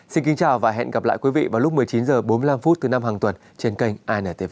xin kính chào và hẹn gặp lại quý vị vào lúc một mươi chín h bốn mươi năm thứ năm hàng tuần trên kênh intv